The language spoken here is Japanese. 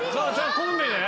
コンビで。